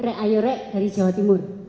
rek ayu rek dari jawa timur